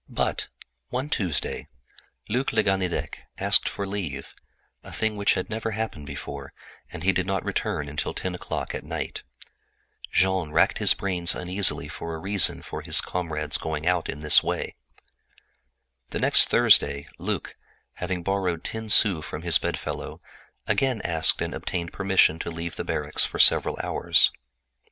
But, one Tuesday, Luc le Ganidec asked for leave—a thing which had never happened before—and he did not return until ten o'clock at night. Jean racked his brains uneasily for a reason for his comrade's going out in this way. The next Thursday Luc, having borrowed ten sous from his bedfellow, again asked and obtained permission to leave the barracks for several hours.